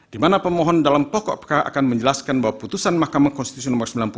di mana permohon dalam pokok perkara akan menjelaskan bahwa putusan mk no sembilan puluh